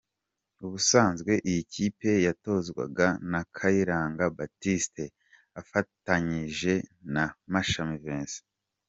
Ubusanzwe iyi kipe yatozwaga na Kayiranga Baptiste afatanyije na Mashami Vincent.